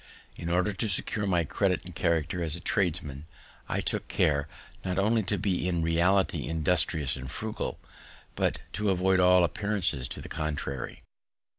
In order to secure my credit and character as a tradesman, I took care not only to be in reality industrious and frugal, but to avoid all appearances to the contrary.